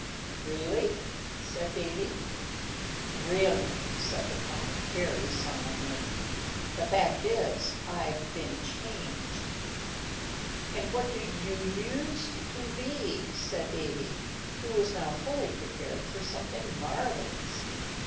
"Really?" said Davy. "Really," said the Cow, very solemnly. "The fact is, I've been changed." "And what did you use to be?" said Davy, who was now fully prepared for something marvellous.